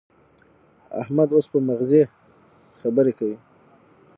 احمد اوس په مغزي خبرې کوي.